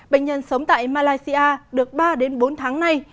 bệnh nhân sống tại malaysia được ba đến bốn tháng nay